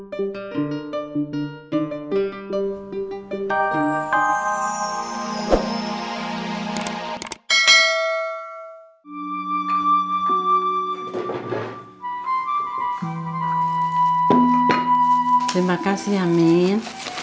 terima kasih amin